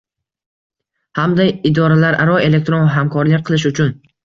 hamda idoralararo elektron hamkorlik qilish uchun